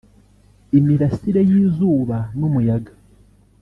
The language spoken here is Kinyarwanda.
imirasire y’izuba n’umuyaga